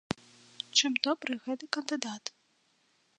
Чым добры гэты кандыдат?